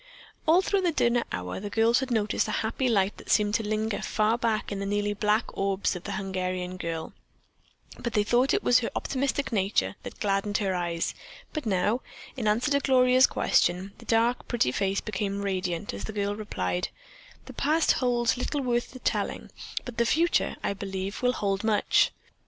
All through the dinner hour the girls had noticed a happy light that seemed to linger far back in the nearly black orbs of the Hungarian girl, but they thought it was her optimistic nature that gladdened her eyes; but now, in answer to Gloria's question, the dark, pretty face became radiant as the girl replied: "The past holds little worth the telling, but the future, I believe, will hold much."